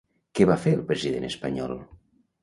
Què va fer el president espanyol?